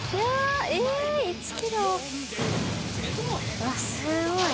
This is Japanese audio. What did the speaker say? うわっすごい。